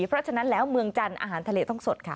เพราะฉะนั้นแล้วเมืองจันทร์อาหารทะเลต้องสดค่ะ